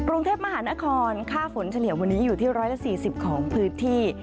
กรุงเทพมหานครค่าฝนเฉลี่ยวันนี้อยู่ที่๑๔๐ของพื้นที่